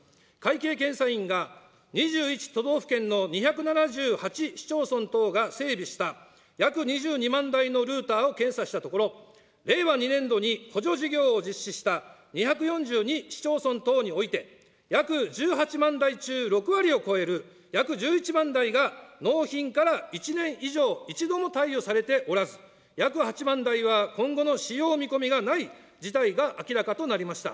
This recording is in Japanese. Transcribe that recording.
会計検査院が２１都道府県の２７８市町村等が整備した約２２万台のルータを検査したところ、令和２年度に補助事業を実施した２４２市町村等において、約１８万台中、６割を超える約１１万台が納品から１年以上一度も貸与されておらず、約８万台は今後の使用見込みがない事態が明らかとなりました。